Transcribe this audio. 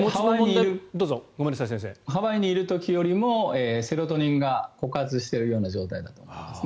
ハワイにいる時よりもセロトニンが枯渇している状態だと思いますね。